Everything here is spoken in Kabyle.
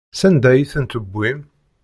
Sanda ay tent-tewwim?